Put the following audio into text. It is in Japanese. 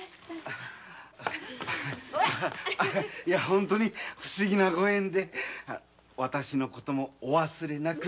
本当に不思議な御縁で私のこともお忘れなく。